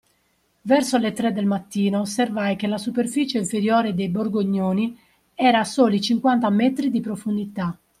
Verso le tre del mattino osservai che la superficie inferiore dei borgognoni era a soli cinquanta metri di profondità.